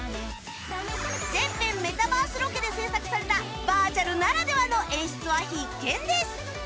全編メタバースロケで制作されたバーチャルならではの演出は必見です！